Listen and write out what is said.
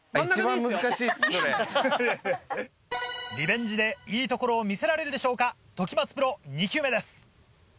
リベンジでいいところを見せられるでしょうか時松プロ２球目です。